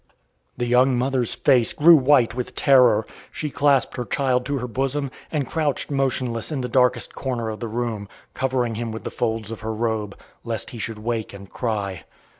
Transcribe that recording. The young mother's face grew white with terror. She clasped her child to her bosom, and crouched motionless in the darkest corner of the room, covering him with the folds of her robe, lest he should wake and cry.